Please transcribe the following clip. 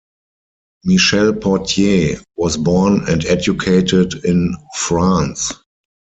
Michel Portier was born and educated in France.